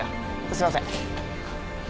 すいません。